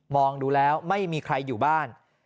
ดูแล้วไม่มีใครอยู่บ้าน